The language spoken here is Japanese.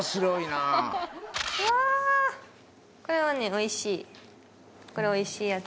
おいしい